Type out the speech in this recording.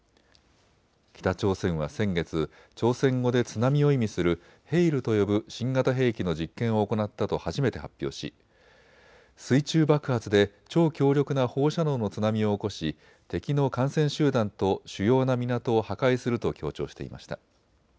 北朝鮮は先月、朝鮮語で津波を意味するヘイルと呼ぶ新型兵器の実験を行ったと初めて発表し水中爆発で超強力な放射能の津波を起こし敵の艦船集団と主要な港を破壊すると強調していました。